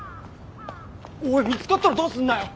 おい見つかったらどうすんだよ！